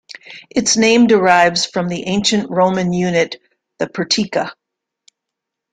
Its name derives from the Ancient Roman unit, the "pertica".